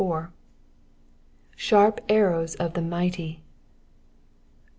/SAarp arrows of the mighty.'